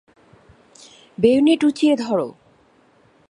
Bayonet উঁচিয়ে ধরো!